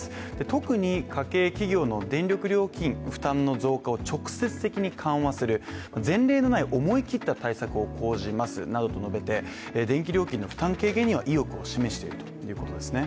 特に家計、企業の電力料金の負担を直接的に緩和する、前例のない思い切った対策を講じますなどと述べて電気料金の負担軽減には意欲を示しているということですね。